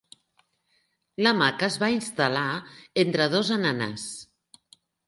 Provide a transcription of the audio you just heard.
L'hamaca es va instal·lar entre dos ananàs.